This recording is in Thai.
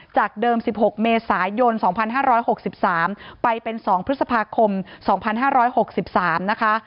จากเดิม๑๖เมษายน๒๕๖๓ไปเป็น๒พฤษภาคม๒๕๖๓นะคะ